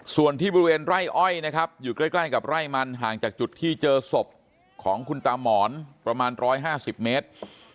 ส่วนที่บริเวณไร่อ้อยนะครับอยู่ใกล้กับไร่มันห่างจากจุดที่เจอศพของคุณตามหมอนประมาณ๑๕๐เมตร